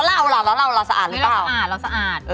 เราแล้วเราสะอาดหรือเปล่าเราสะอาด